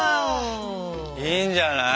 いいんじゃない？